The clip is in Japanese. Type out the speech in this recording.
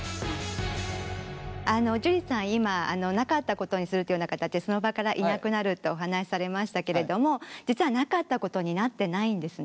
樹さん今なかったことにするというような形でその場からいなくなるってお話されましたけれども実はなかったことになってないんですね。